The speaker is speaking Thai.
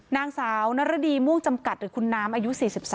นางสาวนรดีม่วงจำกัดหรือคุณน้ำอายุ๔๒